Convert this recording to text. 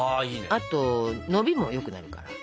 あとのびもよくなるから。